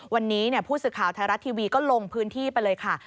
วันนี้ผู้สื่อข่าวไทยรัฐทีวีก็ลงพื้นที่ไปเลยค่ะ